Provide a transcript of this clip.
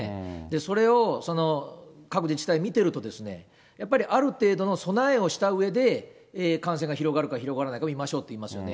それを各自治体、見てると、やっぱりある程度の備えをしたうえで、感染が広がるか広がらないかを見ましょうって言いますもんね。